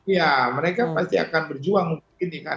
ya mereka pasti akan berjuang mungkin ya kan